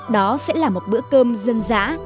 đó sẽ là một bữa cơm dân dã